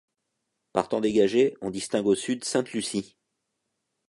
Par temps dégagé, on distingue au sud Sainte-Lucie.